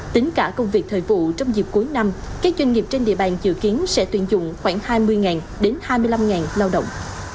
tính cả công việc thời vụ trong dịp cuối năm các doanh nghiệp trên địa bàn dự kiến sẽ tuyển dụng khoảng hai mươi đến hai mươi năm lao động